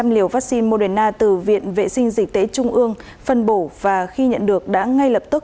bảy mươi hai bảy trăm linh liều vaccine moderna từ viện vệ sinh dịch tế trung ương phân bổ và khi nhận được đã ngay lập tức